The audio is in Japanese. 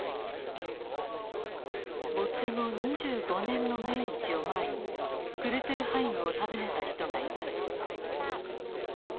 没後２５年の命日を前にクルトゥルハイムを訪ねた人がいます。